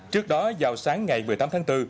trước đó vào sáng ngày một mươi tám tháng bốn